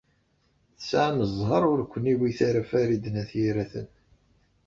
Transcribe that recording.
Tesɛam zzheṛ ur ken-iwit ara Farid n At Yiraten.